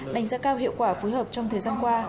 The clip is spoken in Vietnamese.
đánh giá cao hiệu quả phối hợp trong thời gian qua